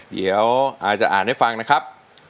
เดี๋ยวอายจะอ่านให้ฟังนะครับ